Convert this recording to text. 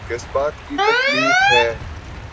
آپ کو کس بات کی تکلیف ہے؟